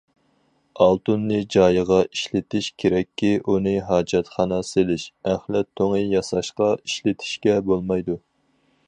ئالتۇننى جايىغا ئىشلىتىش كېرەككى ئۇنى ھاجەتخانا سېلىش، ئەخلەت تۇڭى ياساشقا ئىشلىتىشكە بولمايدۇ.